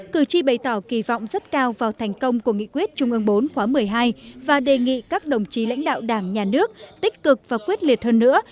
cử tri bày tỏ kỳ vọng rất cao vào thành công của nghị quyết trung ương bốn khóa một mươi hai và đề nghị các đồng chí lãnh đạo đảng nhà nước tích cực và quyết liệt hơn nữa